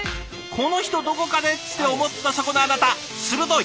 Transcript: この人どこかで」って思ったそこのあなた鋭い！